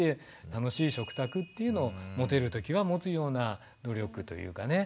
楽しい食卓っていうのを持てる時は持つような努力というかね。